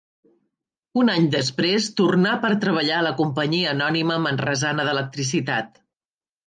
Un any després tornar per treballar a la Companyia Anònima Manresana d'Electricitat.